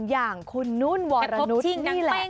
อย่างคุณนุ่นวรพบที่นี่แหละ